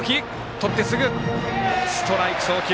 とってすぐストライク送球。